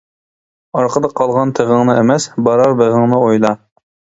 ئارقىدا قالغان تېغىڭنى ئەمەس، بارار بېغىڭنى ئويلا.